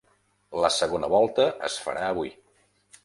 La segona volta es farà avui.